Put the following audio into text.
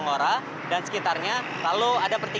untuk menuju ke bandung dan juga ke jakarta